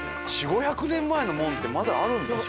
４００５００年前の門ってまだあるんだ！